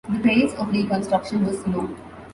The pace of reconstruction was slow.